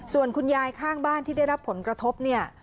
ส่วนคุณยายข้างบ้านที่ได้รับผลกระทบเนี่ย